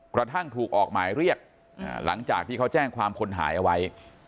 กระทั่งถูกออกหมายเรียกหลังจากที่เขาแจ้งความคนหายเอาไว้